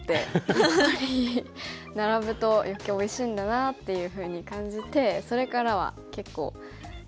やっぱり並ぶと余計おいしいんだなっていうふうに感じてそれからは結構うん。